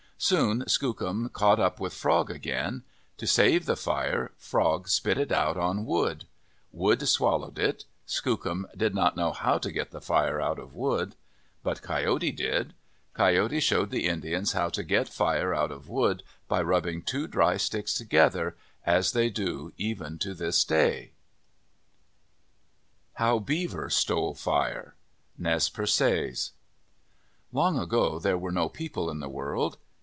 Soon Skookum caught up with Frog again. To save the fire, Frog spit it out on Wood. Wood swallowed it. Skookum did not know how to get the fire out of Wood. But Coyote did. Coyote showed the Indians how to get fire out of Wood by rubbing two dry sticks together, as they do even to this day. MYTHS AND LEGENDS HOW BEAVER STOLE FIRE Nez Perces EMG ago there were no people in the world.